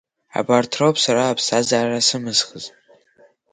Абарҭ роуп сара аԥсҭаазара сымызхыз.